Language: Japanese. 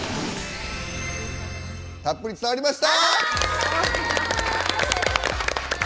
たっぷり伝わりました！